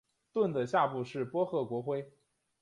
盾的下部是波赫国徽。